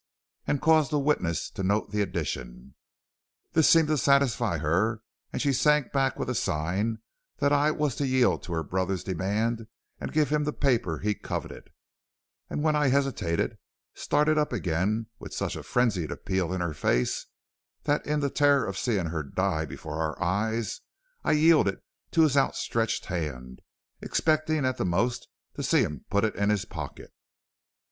and caused the witnesses to note the addition. "This seemed to satisfy her, and she sank back with a sign that I was to yield to her brother's demand and give him the paper he coveted, and when I hesitated, started up again with such a frenzied appeal in her face that in the terror of seeing her die before our eyes, I yielded it to his outstretched hand, expecting at the most to see him put it in his pocket.